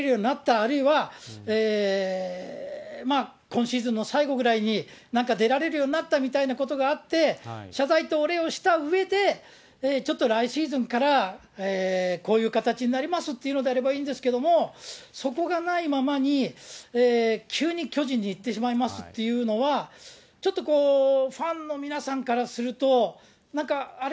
あるいは、今シーズンの最後ぐらいに、なんか出られるようになったみたいなことがあって、謝罪とお礼をしたうえで、ちょっと来シーズンからこういう形になりますっていうのであれば、いいんですけれども、そこがないままに、急に巨人に行ってしまいますっていうのは、ちょっとこう、ファンの皆さんからすると、なんかあれ？